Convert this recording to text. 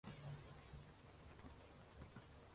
Harbiy orkestr motam marshini chaladi.